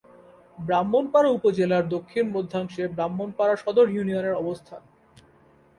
ব্রাহ্মণপাড়া উপজেলার দক্ষিণ-মধ্যাংশে ব্রাহ্মণপাড়া সদর ইউনিয়নের অবস্থান।